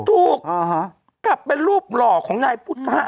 ถูกกลับเป็นรูปหล่อของนายพุทธะ